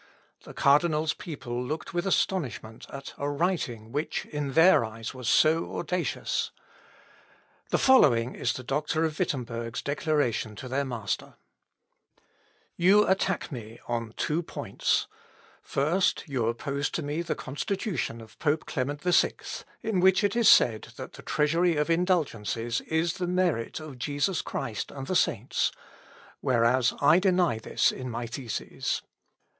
The cardinal's people looked with astonishment at a writing which, in their eyes, was so audacious. The following is the doctor of Wittemberg's declaration to their master: Luth Op. (L.) xvii, p. 187. "You attack me on two points. First, you oppose to me the Constitution of Pope Clement VI, in which it is said, that the treasury of indulgences is the merit of Jesus Christ and the saints; whereas I deny this in my theses.